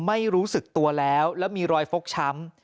ไม่รู้สึกตัวแล้วแล้วมีรอยฟกช้ำ